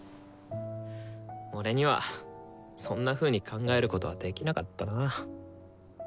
俺にはそんなふうに考えることはできなかったなぁ。